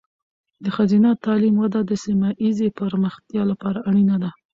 د ښځینه تعلیم وده د سیمه ایزې پرمختیا لپاره اړینه ده.